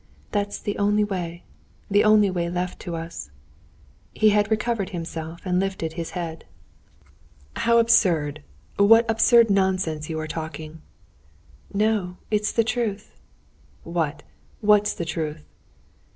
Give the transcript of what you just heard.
"That's the only way, the only way left us." He had recovered himself, and lifted his head. "How absurd! What absurd nonsense you are talking!" "No, it's the truth." "What, what's the truth?"